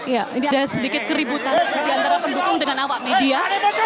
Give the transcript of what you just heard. ya ini ada sedikit keributan diantara pendukung dengan awak media